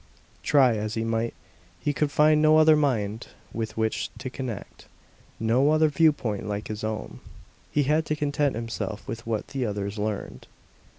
Try as he might, he could find no other mind with which to connect, no other view point like his own. He had to content himself with what the others learned.